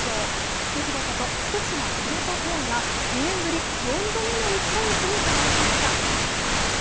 フクヒロこと福島・廣田ペアが２年ぶり４度目の日本一に輝きました。